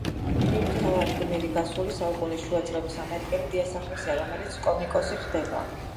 ფილმის მთავარი გმირი გასული საუკუნის შუა წლების ამერიკელი დიასახლისია, რომელიც კომიკოსი ხდება.